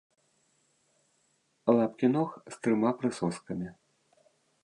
Лапкі ног з трыма прысоскамі.